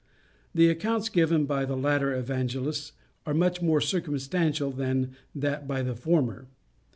The accounts given by the latter Evangelists are much more circumstantial than that by the former.